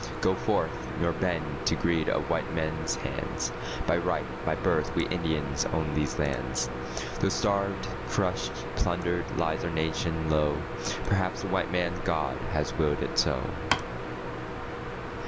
Go forth, nor bend to greed of white men's hands, By right, by birth we Indians own these lands, Though starved, crushed, plundered, lies our nation low... Perhaps the white man's God has willed it so.